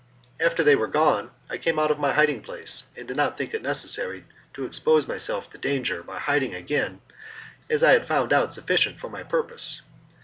"After they were gone, I came out of my hiding place and did not think it necessary to expose myself to danger by hiding again as I had found out sufficient for my purpose.